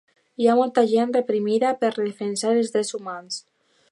Hi ha molta gent reprimida per defensar els drets humans.